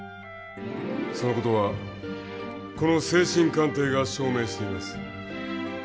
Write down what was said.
その事はこの精神鑑定が証明しています。